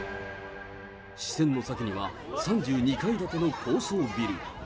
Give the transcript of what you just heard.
視線の先には、３２階建ての高層ビル。